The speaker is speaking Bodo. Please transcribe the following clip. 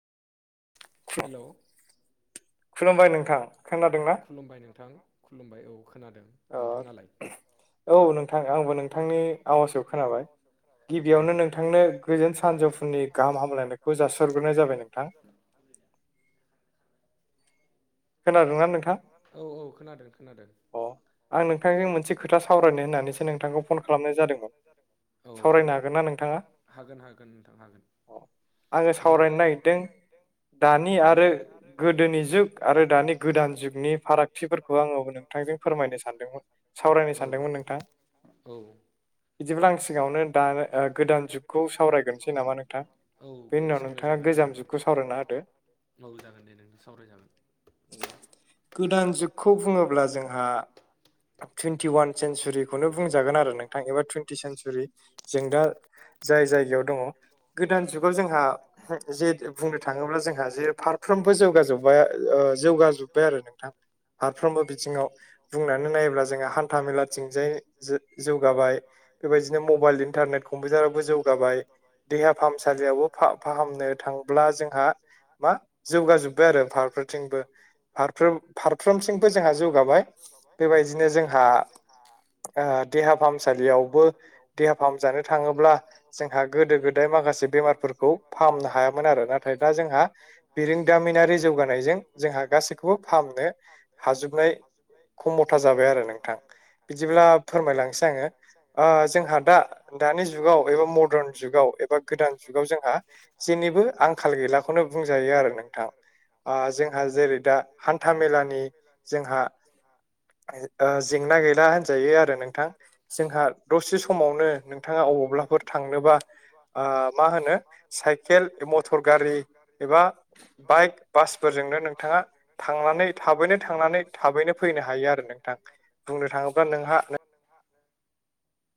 हेलौ। खलुमबाय नोंथां खुलुमबाय नोंथां खुलुमबाय औ खोनादों नोंथाङालाय? औ नोंथां आंबो नोंथांनि आवासखौ खोनादों औ नोंथां बेयावनो नोंथांनि फैदों सानजौफुंनि गाहाम हामलायनायखौ जासिहरग्रोनाय जादों नोंथां खोनादोंना नोंथां औ औ खोनादों खोनादों। अह आं नोंथांजों मोनसे खोथा सावरायनो होननानैसो नोंथांखौ फन खालामनाय जादोंमोन सावरायनो हागोन ना नोंथाङा? हागोन हागोन नोंथां हागोन। आङो सावरायनो नागिरदों दानि आरो गोदोनि जुग आरो दानि गोदान जुगनि फारागथिफोरखौ आङो नोंथांजों फोरमायनो सानदोंमोन सावरायनो सानदोंमोन नोंथां। बिदिब्ला आं सिगाङावनो दानो गोदान जुगखौ सावरायग्रोनसै नामा नोंथां? बे उनाव नोंथाङा गोजाम जुगखौ सावरायना होदो औ जागोन दे नोंथां सावरायजागोन गोदान जुगखौ बुङोब्ला अब्ला जोंहा टुइन्टि वान सन्सुरिखौनो बुंजागोन आरो नोंथां एबा टुइन्टि सन्सुरि जों दा जाय जायगायाव दङ गोदान जुगाव जोंहा जे बुंनो थाङोब्ला जोंहा जे पार् फ्रोमबो जौगाजोबबा ओ जौगाजोब्बाय आरो नोंथां फारफ्रोमबो बिथिङाव बुंनानै नायोब्ला जोंहा हान्था मेलाथिंजाय जौगाबाय बेबायदिनो मबाइल इन्टारनेट कम्पिउटाराबबो जौगाबाय देहा फाहामसालियावबो फा फाहामनो थांब्ला जों हा मा जौगा जोब्बाय आरो फारफोरथिंबो। फारफ्रोम फारफ्रोमथिंबो जोंहा जौगाबाय बाय बेबायदिनो जोंहा देहा फाहामसालियावबो देहा फाहामजानो थाङोब्ला जोंहा गोदो गोदाय माखासे बेमारफोरखौ फाहामनो हायामोन आरो नाथाय दा जोंहा बिरोंदामिनारि जौगानायजों जोंहा गासैखौबो फाहामनो हाजोब खम'था जाबाय आरो नोंथां बिदिब्ला फोरमायलांसै आङो ओ जोंहा दा दानि जुगाव एबा मर्दार्न जुगाव एबा गोदान जुगाव जोंहा जेनिबो आंखाल गैला नो बुंजायो आरो नोंथां जोंहा जेरै दा हानथा मे हान्था मेलानि जोंहा ओ जेंना गैला होनजायो आरो नोंथां जोंहा दसे समावनो नोंथाङा अबावब्लाफोर थांनोबा ओ मा होनो साइकेल मटर गारि एबा बाइक बासफोरजोंनो नोंथाङा थांनानै थाबैनो थांनानै थाबैनो फैनो हायो आरो नोंथां बुंनो थाङोब्ला नोंहा नोंहा नो